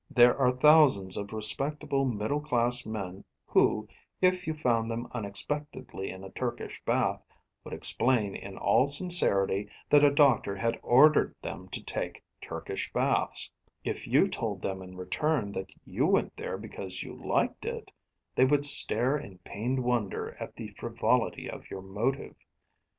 There are thousands of respectable middle class men who, if you found them unexpectedly in a Turkish bath, would explain in all sincerity that a doctor had ordered them to take Turkish baths; if you told them in return that you went there because you liked it, they would stare in pained wonder at the frivolity of your motive.